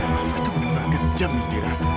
kamu itu bener bener kejam indira